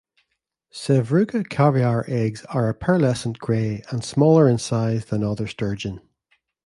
Sevruga caviar eggs are a pearlescent grey, and smaller in size than other sturgeon.